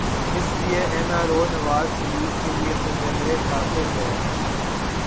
اس لیے N R O Nawaz Sharif کیلئے تو زہر قاتل ہے۔